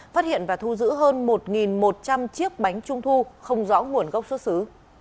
phát hiện và thu giữ hơn một một trăm linh chiếc bánh trung thu không rõ nguồn gốc xuất xứ